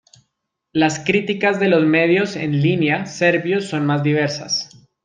Las críticas de los medios en línea serbios son más diversas.